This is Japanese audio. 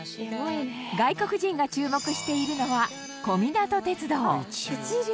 外国人が注目しているのはあっ１両！